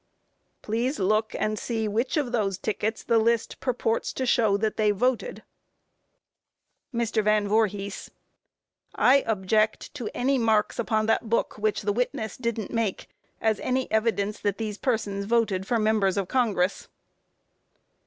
Q. Please look and see which of those tickets the list purports to show that they voted? MR. VAN VOORHIS: I object to any marks upon that book which the witness didn't make, as any evidence that these persons voted for members of Congress.